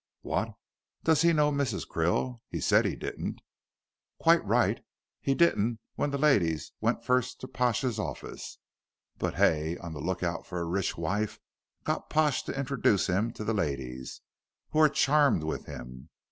"What? Does he know Mrs. Krill? He said he didn't." "Quite right. He didn't when the ladies went first to Pash's office. But Hay, on the look out for a rich wife, got Pash to introduce him to the ladies, who were charmed with him.